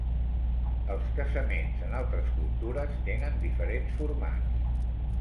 Els casaments en altres cultures tenen diferents formats.